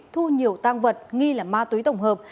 thu nhiều tăng vật nghi là ma túy tổng hợp